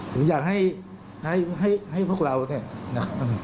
ผมอยากให้พวกเราเนี่ยนะ